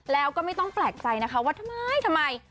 แล้วก็ไม่ต้องแปลกใจนะคะว่าทำไมทำไม